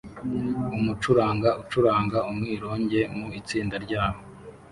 Umucuranga ucuranga umwironge mu itsinda ryabo